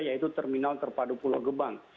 yaitu terminal terpadu pulau gebang